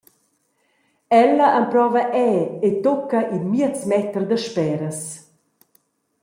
Ella emprova era e tucca in miez meter dasperas.